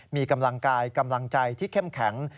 มีกำลังกายกำลังใจที่เข้มแข็ง